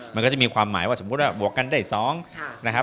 มันก็จะมีความหมายว่าสมมุติว่าบวกกันได้๒นะครับ